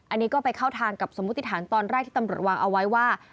อันนี้ก็ไปเข้าทางกับสมมุติฐานตอนแรกที่ตำรวจวางเอาไว้ว่า